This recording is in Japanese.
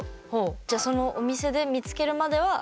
じゃあ、そのお店で見つけるまでは。